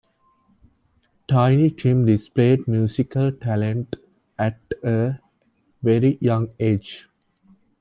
Tiny Tim displayed musical talent at a very young age.